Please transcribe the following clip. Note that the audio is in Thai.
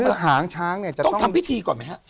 คือหางช้างเนี่ยจะต้องทำพิธีก่อนไหมฮะ